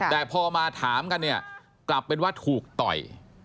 แต่พอมาถามกันเนี่ยกลับเป็นว่าถูกต่อย